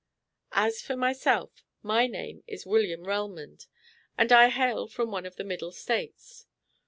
As for myself, my name is William Relmond, and I hail from one of the middle States.